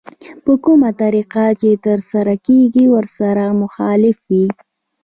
په کومه طريقه چې ترسره کېږي ورسره مخالف وي.